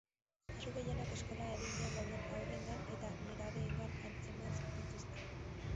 Kasu gehienak eskola adinean dauden haurrengan edo nerabeengan atzeman dituzte.